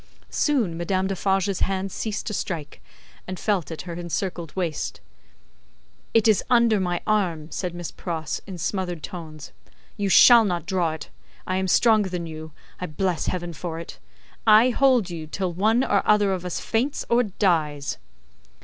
Soon, Madame Defarge's hands ceased to strike, and felt at her encircled waist. "It is under my arm," said Miss Pross, in smothered tones, "you shall not draw it. I am stronger than you, I bless Heaven for it. I hold you till one or other of us faints or dies!"